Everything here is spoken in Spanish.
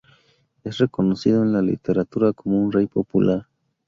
Es reconocido en la literatura como un rey popular.